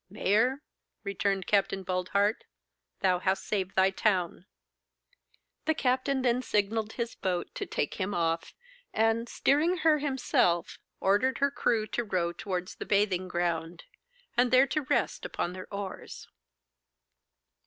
'Mayor,' returned Capt. Boldheart, 'thou hast saved thy town.' The captain then signalled his boat to take him off, and, steering her himself, ordered her crew to row towards the bathing ground, and there to rest upon their oars.